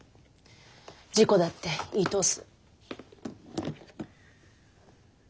事故だって言い通す。